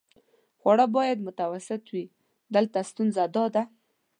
خواړه باید متوسط وي، دلته ستونزه داده.